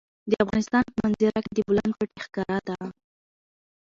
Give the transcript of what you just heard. د افغانستان په منظره کې د بولان پټي ښکاره ده.